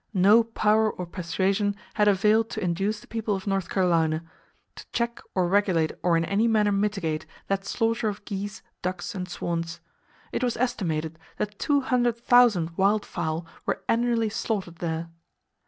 No power or persuasion had availed to induce the people of North Carolina to check, or regulate, or in any manner mitigate that slaughter of geese, ducks and swans. It was estimated that two hundred thousand wild fowl were annually slaughtered there.